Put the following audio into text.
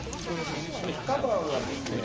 その双葉がですね